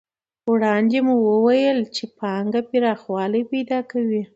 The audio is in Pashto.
وړاندې مو وویل چې پانګه پراخوالی پیدا کوي